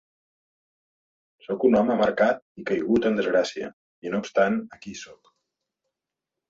Soc un home marcat i caigut en desgràcia, i no obstant, aquí soc.